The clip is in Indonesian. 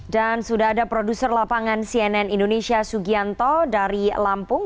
dan sudah ada produser lapangan cnn indonesia sugianto dari lampung